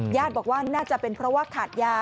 ญาติบอกว่าน่าจะเป็นเพราะว่าขาดยา